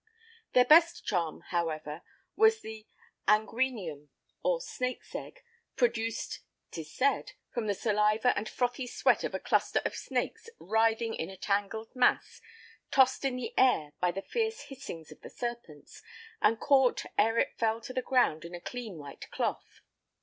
Their best charm, however, was the anguineum, or snake's egg, produced ('tis said) from the saliva and frothy sweat of a cluster of snakes writhing in a tangled mass, tossed in the air by the fierce hissings of the serpents, and caught ere it fell to the ground in a clean white cloth.